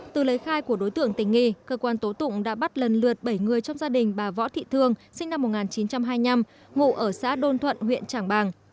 từ lấy khai của đối tượng tình nghi cơ quan tố tụng đã bắt lần lượt bảy người trong gia đình bà võ thị thương sinh năm một nghìn chín trăm hai mươi năm ngụ ở xã đôn thuận huyện trảng bàng